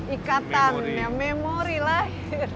ikatan memori lahir